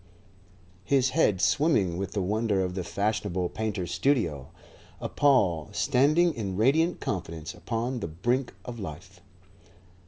his head swimming with the wonder of the fashionable painter's studio; a Paul standing in radiant confidence upon the brink of life.